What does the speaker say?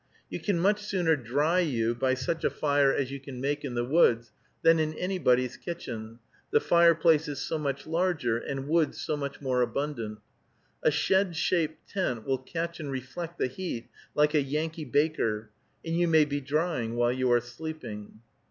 You can much sooner dry you by such a fire as you can make in the woods than in anybody's kitchen, the fireplace is so much larger, and wood so much more abundant. A shed shaped tent will catch and reflect the heat like a Yankee baker, and you may be drying while you are sleeping.